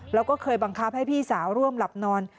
แล้วก็เคยบังคับให้พี่สาวร่วมหลับนอน